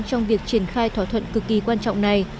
trong việc triển khai thỏa thuận cực kỳ quan trọng này